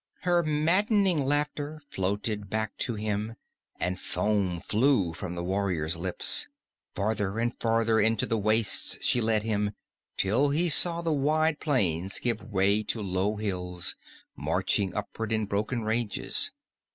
Her maddening laughter floated back to him, and foam flew from the warrior's lips. Further and further into the wastes she led him, till he saw the wide plains give way to low hills, marching upward in broken ranges.